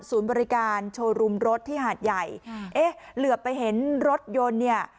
บริการโชว์รูมรถที่หาดใหญ่เอ๊ะเหลือไปเห็นรถยนต์เนี่ย